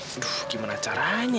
aduh gimana caranya ya